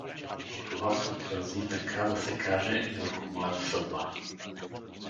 А това се отрази, така да се каже, и върху моята съдба.